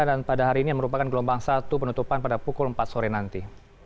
dan pada hari ini merupakan gelombang satu penutupan pada pukul empat sore nanti